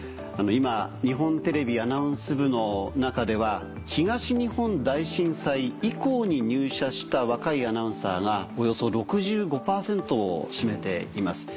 今日本テレビアナウンス部の中では東日本大震災以降に入社した若いアナウンサーがおよそ６５％を占めています。